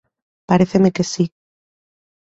Paréceme que si.